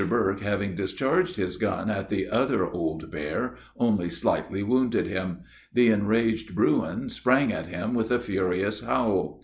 Burke, having discharged his gun at the other old bear, only slightly wounded him; the enraged Bruin sprang at him with a furious howl.